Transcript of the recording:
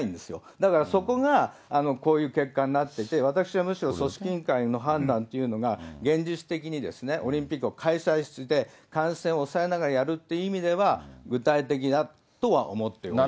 だから、そこがこういう結果になってて、私はむしろ組織委員会の判断っていうのが、現実的にオリンピックを開催して、感染を抑えながらやるという意味では、具体的だとは思ってるんです。